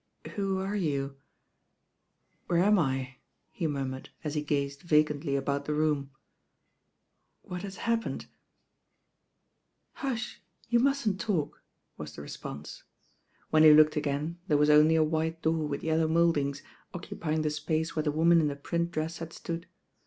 '^ "Who are you? Where am I?" he murmured as he gazed vacantly about the room. "What has happened?" "Hush I you mustn't talk," was the response! When he looked again there was only a white door with yellow mouldings occupying the space where the woman in the print dress had stood.